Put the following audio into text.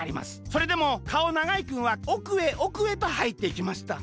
それでもかおながいくんはおくへおくへとはいっていきました。